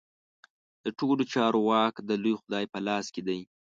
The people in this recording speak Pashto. د ټولو چارو واک د لوی خدای په لاس کې دی.